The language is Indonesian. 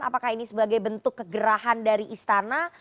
apakah ini sebagai bentuk kegerahan dari istana